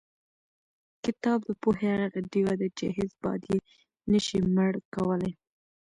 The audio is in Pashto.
کتاب د پوهې هغه ډیوه ده چې هېڅ باد یې نشي مړ کولی.